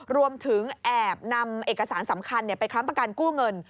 รวมถึงแอบนำเอกสารสำคัญไปค้ำประกันกู้เงิน